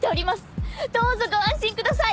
どうぞご安心ください！